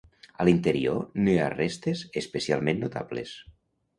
A l'interior no hi ha restes especialment notables.